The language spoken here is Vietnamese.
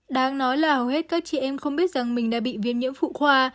đáng nói là hầu hết các chị em không biết rằng mình đã bị viêm nhiễm phụ khoa